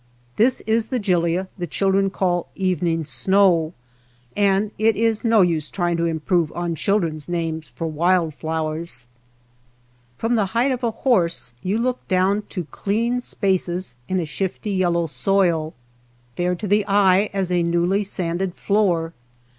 This is the gilia the chil dren call and it is no use evening snow, trying to improve on children's names for wild flowers. From the height of a horse you look down to clean spaces in a shifty yellow soil, bare to the eye as a newly sanded floor.